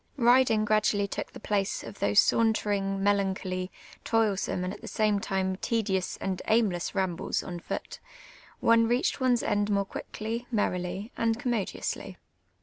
Riding gradually took the place of those sauntering, melancholy, toilsome, and at the s;iine lime tL'dious and aimless rambles on foot ; one reached one's end more quickly, merrily, and eommodiouslv.